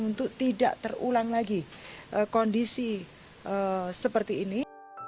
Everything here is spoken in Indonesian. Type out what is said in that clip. untuk tidak terulang lagi kondisi seperti ini